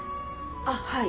あっはい。